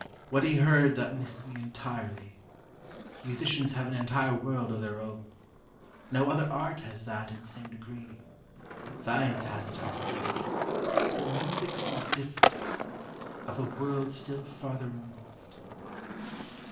What he heard that missed me entirely. Musicians have an entire world of their own. No other art has that in the same degree. Science has it, I suppose. But music seems different,—of a world still farther removed."